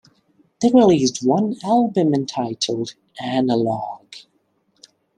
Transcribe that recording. They released one album entitled "Analogue".